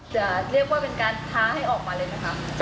จะเรียกว่าเป็นการท้าให้ออกมาเลยไหมคะ